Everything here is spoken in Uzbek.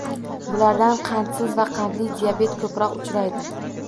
Bulardan qandsiz va qandli diabet ko‘proq uchraydi